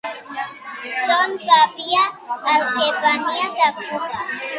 D'on bevia el que venia de Cuba?